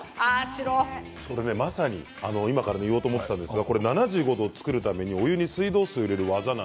まさに今から言おうと思っていたんですが７５度を作るためにお湯に水道水を入れる技。